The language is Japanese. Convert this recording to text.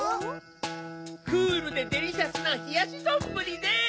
クールでデリシャスなひやしどんぶりです！